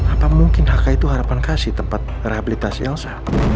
apa mungkin hk itu harapan kasih tempat rehabilitasi elsa